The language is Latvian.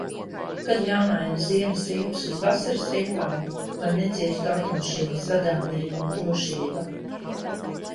Kad jāmaina ziemas riepas uz vasaras riepām, lai neciestu automašīnas vadāmība un drošība?